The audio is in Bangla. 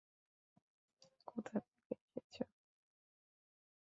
কোথা থেকে এসেছো?